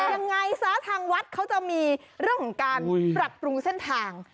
ยังไงซะทางวัดเขาจะมีเรื่องของการปรับปรุงเส้นทาง